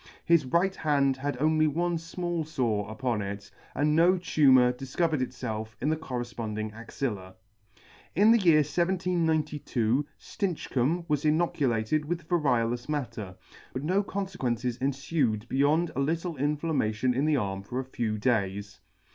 His right hand had only one fmall fore upon it, and no tumour difcovered itfelf in the correfponding axilla. In the year 1792 StincBcomb was inoculated with variolous matter, but no confequences enfued beyond a little inflammation in the arm for a few days.